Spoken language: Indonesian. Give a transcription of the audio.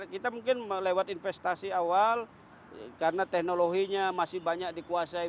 kita mungkin lewat investasi awal karena teknologinya masih banyak dikuasai